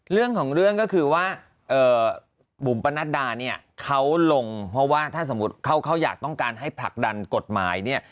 เรื่องของเรื่องก็คือว่าบุ๋มปนัดดาเนี่ยเขาลงเพราะว่าถ้าสมมุติเขาอยากต้องการให้ผลักดันกฎหมายเนี่ย